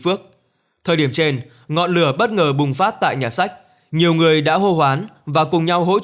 phước thời điểm trên ngọn lửa bất ngờ bùng phát tại nhà sách nhiều người đã hô hoán và cùng nhau hỗ trợ